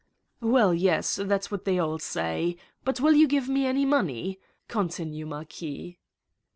"Well, yes, that's what they all say. But will you give me any money? Continue, Marquis."